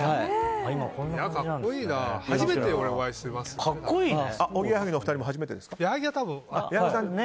初めて俺、お会いしますね。